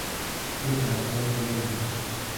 او در باغ ول میگشت.